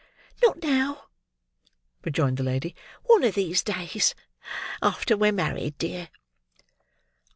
"Not now," rejoined the lady; "one of these days. After we're married, dear."